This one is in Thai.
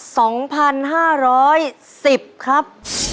สองพันห้าร้อยสิบครับ